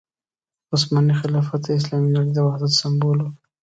عثماني خلافت د اسلامي نړۍ د وحدت سمبول وو.